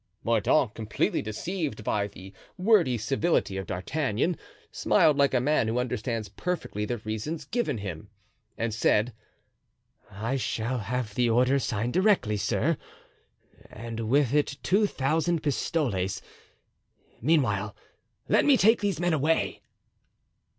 Mordaunt, completely deceived by the wordy civility of D'Artagnan, smiled like a man who understands perfectly the reasons given him, and said: "I shall have the order signed directly, sir, and with it two thousand pistoles; meanwhile, let me take these men away."